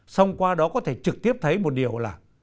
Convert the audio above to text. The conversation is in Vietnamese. xong qua đó có thể trực tiếp thấy một điều là